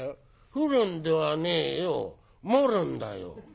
「降るんではねえよ。漏るんだよ」。